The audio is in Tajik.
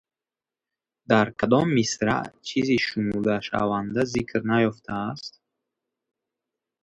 Дар кадом мисраъ чизи шумурдашаванда зикр наёфтааст?